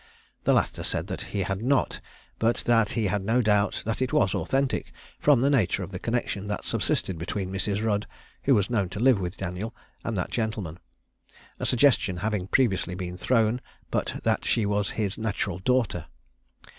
The latter said he had not, but that he had no doubt that it was authentic, from the nature of the connexion that subsisted between Mrs. Rudd, who was known to live with Daniel, and that gentleman; a suggestion having previously been thrown out that she was his natural daughter.